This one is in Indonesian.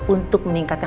untuk meningkat rha nya